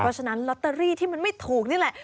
เพราะฉะนั้นลอตเตอรี่ที่มันไม่ถูกนี่แหละ